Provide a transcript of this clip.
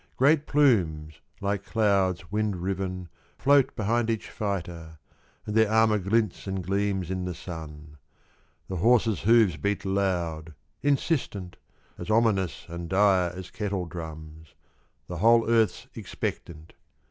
— Great plumes like clouds wind riven Float behind each fighter, And their armour glints and gleams in the Sun. — The horses hooves beat loud, insistent, — As ominous and dire as kettledrums ; The whole Earth's expectant.